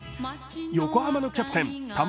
横浜のキャプテン・玉